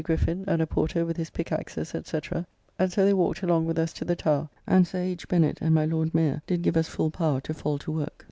Griffin, and a porter with his picke axes, &c. and so they walked along with us to the Tower, and Sir H. Bennet and my Lord Mayor did give us full power to fall to work.